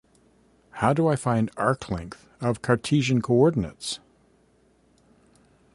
How do I find arc length of Cartesian coordinates?